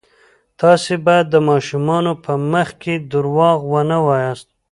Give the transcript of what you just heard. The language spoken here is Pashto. تاسې باید د ماشومانو په مخ کې درواغ ونه وایاست.